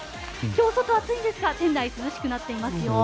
今日、外は暑いんですが店内、涼しくなっていますよ。